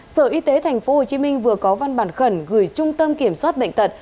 sở y tế tp hcm vừa có văn bản khẩn gửi trung tâm kiểm soát bệnh tật